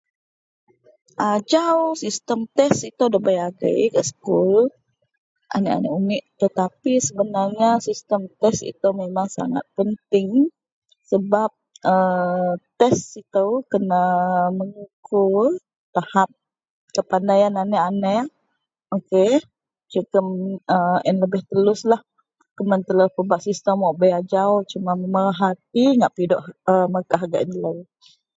Ajau sistem test ito dabei agei gak sekul anek-anek tetapi sebenarnya sistem test ito memeng sangat penting sebab aaa test ito kena mengukur tahap kepandaiyan anek-anek okay jegem a ayen lebeh tulus lah kuman telo pebak sistem bei ajau memerhati ngak pidok markah gak doloyen.